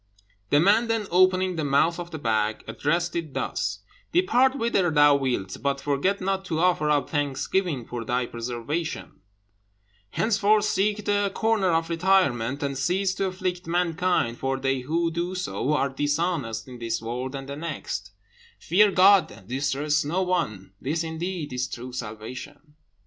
The man then opening the mouth of the bag, addressed it thus: "Depart whither thou wilt, but forget not to offer up thanksgiving for thy preservation; henceforth seek the corner of retirement, and cease to afflict mankind, for they who do so are dishonest in this world and the next Fear God distress no one; This indeed is true salvation."